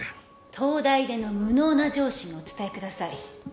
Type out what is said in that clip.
「東大出の無能な上司にお伝えください」